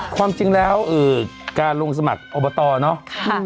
ความจริงแล้วการลงสมัครอบตเนาะ